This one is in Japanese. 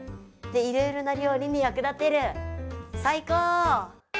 いろいろな料理に役立てる！